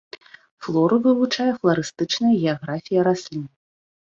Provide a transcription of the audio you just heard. Флору вывучае фларыстычная геаграфія раслін.